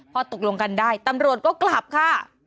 พอตกลงกันได้ตำรวจก็กลับค่ะ